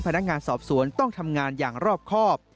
พนักงานสอบสวนต้องทำงานอย่างรอบครอบ